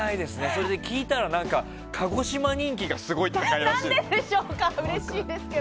それで聞いたら鹿児島人気がすごい高いらしいよ。